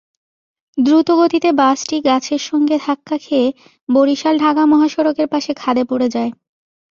দ্রুতগতিতে বাসটি গাছের সঙ্গে ধাক্কা খেয়ে বরিশাল-ঢাকা মহাসড়কের পাশে খাদে পড়ে যায়।